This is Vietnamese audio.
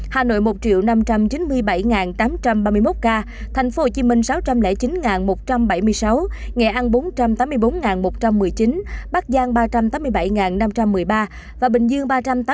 hà nội một năm trăm chín mươi bảy tám trăm ba mươi một ca thành phố hồ chí minh sáu trăm linh chín một trăm bảy mươi sáu nghệ an bốn trăm tám mươi bốn một trăm một mươi chín bắc giang ba trăm tám mươi bảy năm trăm một mươi ba và bình dương ba trăm tám mươi ba bảy trăm sáu mươi một